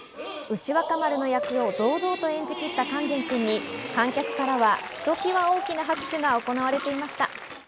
牛若丸の役を堂々と演じきった勸玄くんに観客からはひときわ大きな拍手が送られていました。